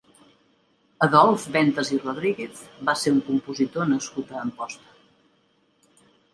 Adolf Ventas i Rodríguez va ser un compositor nascut a Amposta.